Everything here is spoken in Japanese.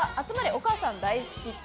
お母さん大好き党。